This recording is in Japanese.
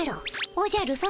おじゃるさま。